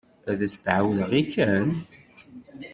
Ad as-d-ɛawdeɣ i Ken?